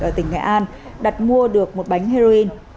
ở tỉnh nghệ an đặt mua được một bánh heroin